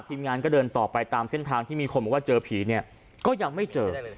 ทีมงานก็เดินต่อไปตามเส้นทางที่มีคนบอกว่าเจอผีเนี่ยก็ยังไม่เจอ